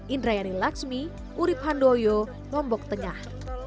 indrayani laksmi urib handoyo lombok tengah